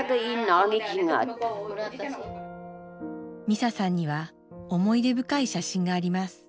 ミサさんには思い出深い写真があります。